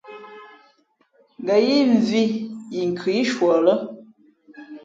Ngα̌ yíí mvhī yi nkhʉ í shuα lά.